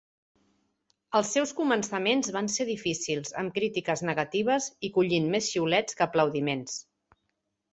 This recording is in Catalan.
Els seus començaments van ser difícils, amb crítiques negatives i collint més xiulets que aplaudiments.